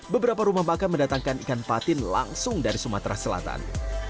beberapa rumah makan mendatangkan ikan patin langsung dari sumatera selatan